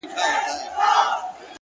هره تجربه نوی لید درکوي!